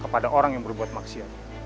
pada orang yang membuat maksiat